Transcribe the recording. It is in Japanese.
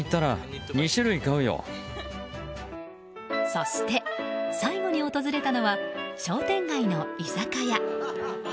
そして、最後に訪れたのは商店街の居酒屋。